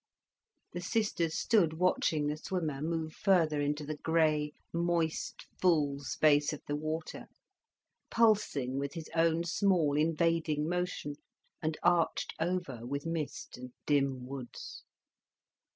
The sisters stood watching the swimmer move further into the grey, moist, full space of the water, pulsing with his own small, invading motion, and arched over with mist and dim woods.